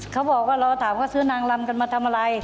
เขาบอกว่าเราถามเขาซื้อนางลำกันมาทำอะไร